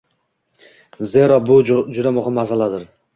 Zero, bu juda muhim masaladir.